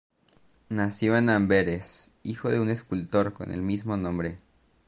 Nació en Amberes, hijo de un escultor con el mismo nombre.